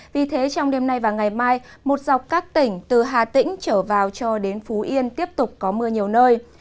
vì thế trong đêm nay và ngày mai một dọc các tỉnh từ hà tĩnh trở vào cho đến phú yên tiếp tục có mưa nhiều nơi